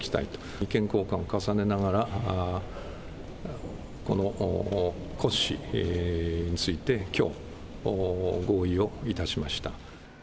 意見交換を重ねながら、この骨子について、きょう、合意をいたしました。